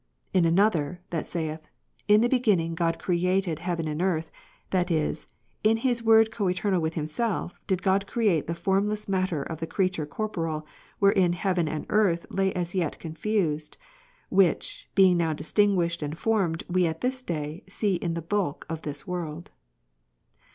He another, that saith. In the Be ginning God created heaven and earth; that is, "in His Word coeternal with Himself, did God create the formless matter of the creature corporeal, wherein heaven and earth lay as yet confused, which, being noAV distinguished and formed, we at this day see in the bulk of this world."